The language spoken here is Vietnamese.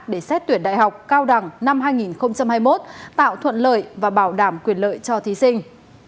để xét tuyển đại học cao đẳng năm hai nghìn hai mươi một tạo thuận lợi và bảo đảm quyền lợi cho thí sinh